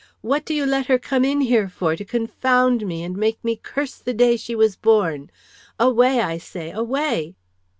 What do you let her come in here for, to confound me and make me curse the day she was born! Away! I say, away!"